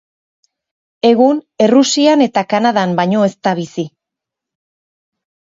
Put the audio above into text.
Egun Errusian eta Kanadan baino ez da bizi.